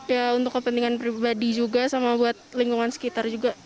ya untuk kepentingan pribadi juga sama buat lingkungan sekitar juga